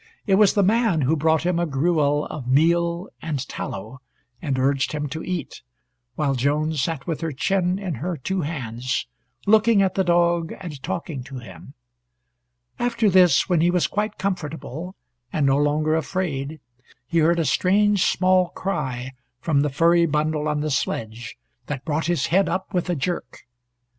It was the man who brought him a gruel of meal and tallow, and urged him to eat, while Joan sat with her chin in her two hands, looking at the dog, and talking to him. After this, when he was quite comfortable, and no longer afraid, he heard a strange small cry from the furry bundle on the sledge that brought his head up with a jerk.